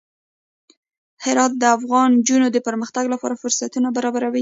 هرات د افغان نجونو د پرمختګ لپاره فرصتونه برابروي.